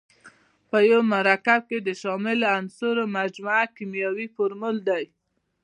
په یو مرکب کې د شاملو عنصرونو مجموعه کیمیاوي فورمول دی.